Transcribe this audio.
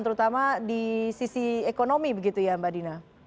terutama di sisi ekonomi begitu ya mbak dina